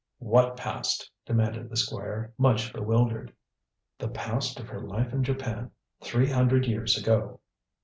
"What past?" demanded the Squire, much bewildered. "The past of her life in Japan, three hundred years ago."